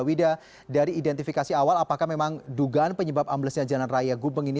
wida dari identifikasi awal apakah memang dugaan penyebab amblesnya jalan raya gubeng ini